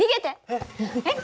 えっ？